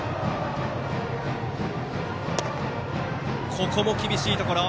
ここも厳しいところ。